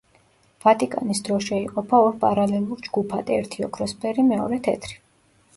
ვატიკანის დროშა იყოფა ორ პარალელურ ჯგუფად, ერთი ოქროსფერი, მეორე თეთრი.